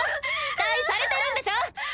期待されてるんでしょ！